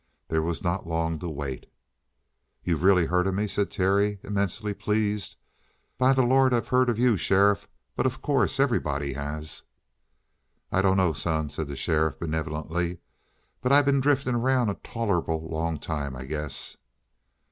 There was not long to wait. "You've really heard of me?" said Terry, immensely pleased. "By the Lord, I've heard of you, sheriff! But, of course, everybody has." "I dunno, son," said the sheriff benevolently. "But I been drifting around a tolerable long time, I guess."